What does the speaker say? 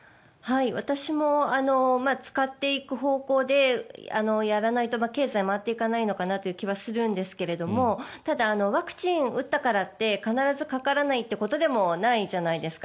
私も使っていく方向でやらないと経済回っていかないのかなという気がするんですけどただ、ワクチン打ったからって必ずかからないということでもないじゃないですか。